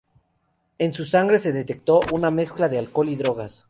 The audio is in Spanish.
En su sangre se detectó una mezcla de alcohol y drogas.